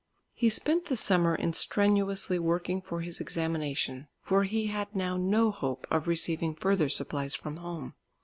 He spent the summer in strenuously working for his examination, for he had now no hope of receiving further supplies from home.